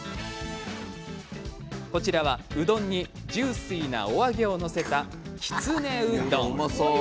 こちらは、うどんにジューシーなお揚げを載せたきつねうどん。